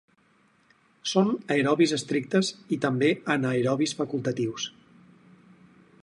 Són aerobis estrictes i també anaerobis facultatius.